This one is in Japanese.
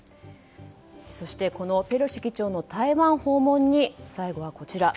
そしてペロシ議長の台湾訪問に最後はこちら。